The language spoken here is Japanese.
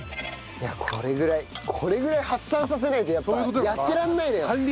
これぐらいこれぐらい発散させないとやっぱやってられないのよ。